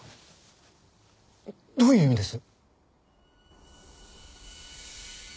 どういう意味です？